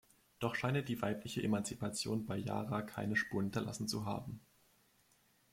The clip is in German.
Doch scheine die weibliche Emanzipation bei Jara keine Spuren hinterlassen zu haben.